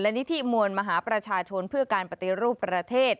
นิธิมวลมหาประชาชนเพื่อการปฏิรูปประเทศ